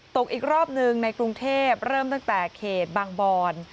อีกรอบหนึ่งในกรุงเทพเริ่มตั้งแต่เขตบางบอน